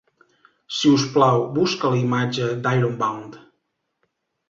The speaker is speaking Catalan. Si us plau, busca la imatge d'Ironbound.